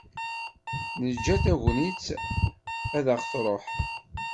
Neǧǧa tagnit ad ɣ-truḥ.